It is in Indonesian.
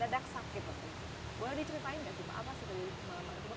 dan mendadak sakit boleh diceritain nggak sih pak apa sih dari malam hari itu